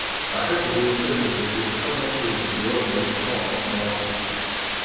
Така ќе видите дека гледиштата не произлегуваат дирекно од мојот ум.